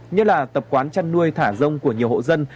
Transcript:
như là tập quán chăn nuôi thả rông của nhiều hộ dân